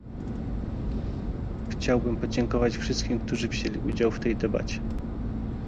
Chciałbym podziękować wszystkim, którzy wzięli udział w tej debacie